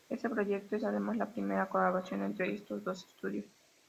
Este proyecto es además la primera colaboración entre estos dos estudios.